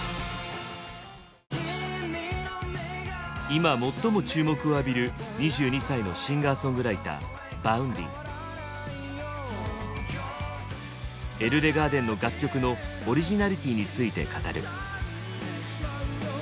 今最も注目を浴びる２２歳のシンガーソングライターＥＬＬＥＧＡＲＤＥＮの楽曲のオリジナリティーについて語る。